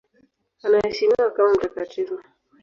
Anaheshimiwa kama mtakatifu.